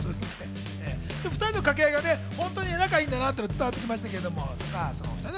２人の掛け合いがほんとに仲いいんだなって伝わってきましたけど。